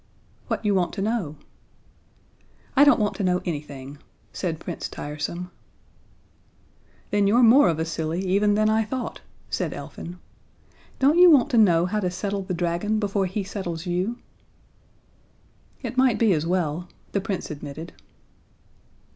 "What you want to know." "I don't want to know anything," said Prince Tiresome. "Then you're more of a silly even than I thought," said Elfin. "Don't you want to know how to settle the dragon before he settles you?" "It might be as well," the Prince admitted.